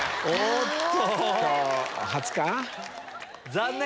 残念！